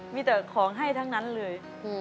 มีแต่ของให้ทั้งนั้นเลย